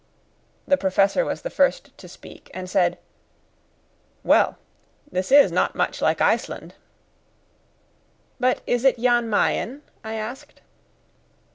The Professor was the first to speak, and said: "Well, this is not much like Iceland." "But is it Jan Mayen?" I asked.